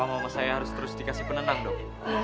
apa mama saya harus terus dikasih penenang dong